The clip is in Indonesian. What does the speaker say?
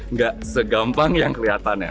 nggak segampang yang kelihatannya